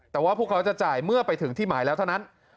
แต่ว่าพวกเขาจะจ่ายเมื่อไปถึงที่หมายแล้วเท่านั้น